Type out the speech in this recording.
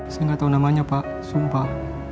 saya gak tau namanya pak sumpah